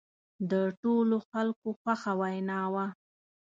د ټولو خلکو خوښه وینا وه.